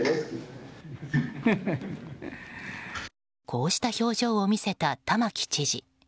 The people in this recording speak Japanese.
こうした表情を見せた玉城知事。